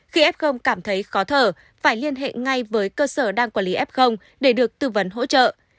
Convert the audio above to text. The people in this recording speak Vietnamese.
khi f cảm thấy khó thở phải liên hệ ngay với cơ sở đang quản lý f để được tư vấn hỗ trợ